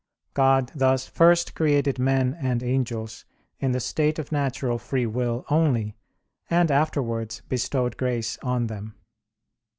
God thus first created men and angels in the state of natural free will only; and afterwards bestowed grace on them.